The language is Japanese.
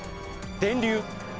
電流。